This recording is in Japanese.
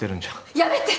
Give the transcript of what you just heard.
やめて！